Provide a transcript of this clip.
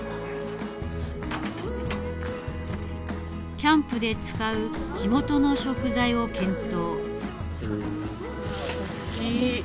キャンプで使う地元の食材を検討。